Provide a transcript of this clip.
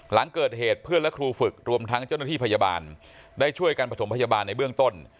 หลังเกิดเหตุเพื่อนและครูฝึกรวมทั้งเจ้าหน้าที่พยาบาลได้ช่วยกันประถมพยาบาลในเบื้องต้น